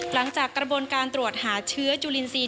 หลังจากกระบวนการตรวจหาเชื้อจุลินทรีย์